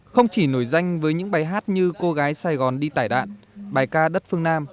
không chỉ nổi danh với những bài hát như cô gái sài gòn đi tải đạn bài ca đất phương nam